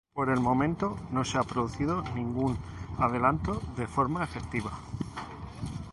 Por el momento no se ha producido ningún adelanto de forma efectiva.